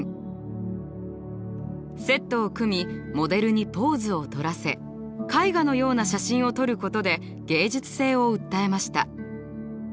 セットを組みモデルにポーズをとらせ絵画のような写真を撮ることで芸術性を訴えました。